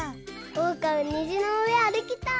おうかもにじのうえあるきたい！